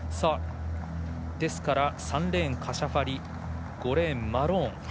３レーン、カシャファリ５レーン、マローン。